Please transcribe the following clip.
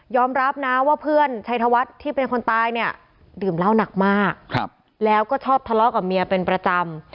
รับนะว่าเพื่อนชัยธวัฒน์ที่เป็นคนตายเนี่ยดื่มเหล้าหนักมากแล้วก็ชอบทะเลาะกับเมียเป็นประจำ